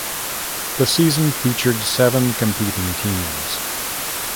The season featured seven competing teams.